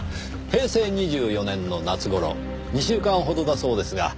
平成２４年の夏頃２週間ほどだそうですが。